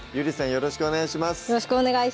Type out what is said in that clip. よろしくお願いします